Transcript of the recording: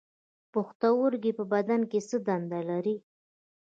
پښتورګي په بدن کې څه دنده لري